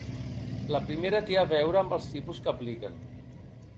La primera té a veure amb els tipus que apliquen.